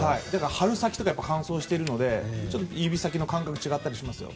春先とかは乾燥しているので指先の感覚が違ったりします。